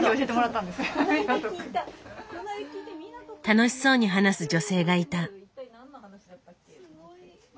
楽しそうに話す女性がいた。